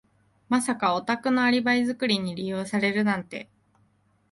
まさかお宅のアリバイ作りに利用されるなんて。